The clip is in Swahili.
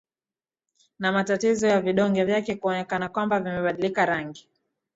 na matatizo ya vidonge vyake kuonekana kwamba vimebandilika rangi